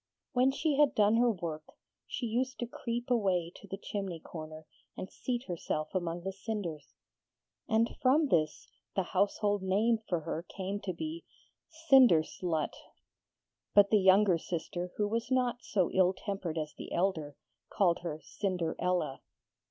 When she had done her work she used to creep away to the chimney corner and seat herself among the cinders, and from this the household name for her came to be Cinder slut; but the younger sister, who was not so ill tempered as the elder, called her Cinderella.